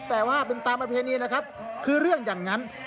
แต่ว่าเป็นตามประเพณีนะครับคือเรื่องอย่างนั้น